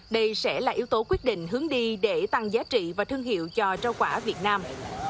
đây sẽ là yếu tố quyết định hướng đi để tăng giá trị và thương hiệu cho rau quả việt nam